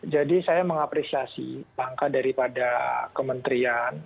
jadi saya mengapresiasi langkah daripada kementerian